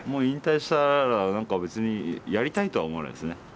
引退したら何か別にやりたいとは思わないですね。